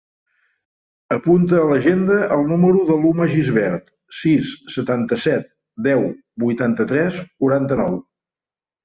Apunta a l'agenda el número de l'Uma Gisbert: sis, setanta-set, deu, vuitanta-tres, quaranta-nou.